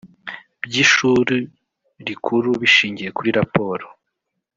by ishuri rikuru bishingiye kuri raporo